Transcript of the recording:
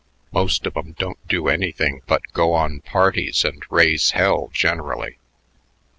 Most of 'em don't do anything but go on parties and raise hell generally.